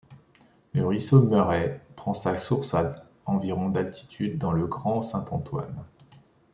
Le ruisseau Murray prend sa source à environ d'altitude, dans le Grand-Saint-Antoine.